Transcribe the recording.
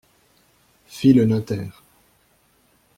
Fit le notaire.